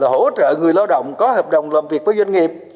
hỗ trợ người lao động có hợp đồng làm việc với doanh nghiệp